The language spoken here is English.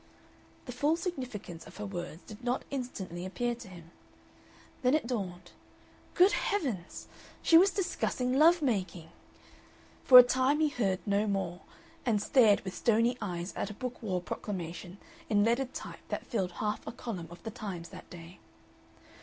The full significance of her words did not instantly appear to him. Then it dawned. Good heavens! She was discussing love making. For a time he heard no more, and stared with stony eyes at a Book War proclamation in leaded type that filled half a column of the Times that day.